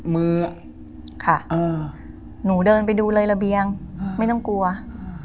มืออ่ะค่ะเออหนูเดินไปดูเลยระเบียงอืมไม่ต้องกลัวอืม